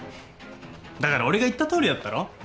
だから俺が言ったとおりだったろ？